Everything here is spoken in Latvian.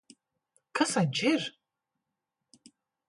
Kas viņš ir?